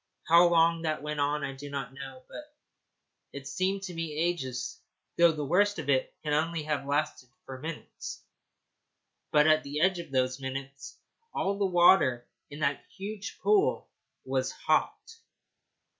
How long that went on I do not know, but it seemed to me ages; though the worst of it can only have lasted for minutes. But at the end of those minutes all the water in that huge pool was hot.